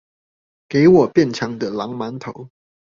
給我變強的狼鰻頭